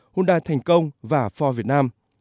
honda thành công và ford việt nam